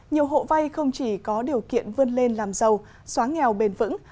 nhiều hộ vay không chỉ có điều kiện vươn lên làm giàu xóa nghèo bền vững